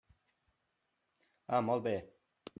Ah, molt bé.